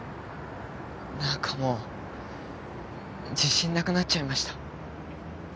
なんかもう自信なくなっちゃいました。